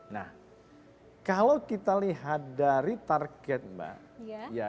nah kalau kita lihat dari target mbak